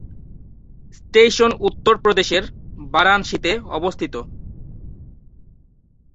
Station উত্তর প্রদেশের বারাণসীতে অবস্থিত।